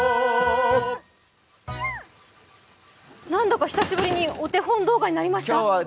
なんだか久しぶりにお手本動画になりましたか？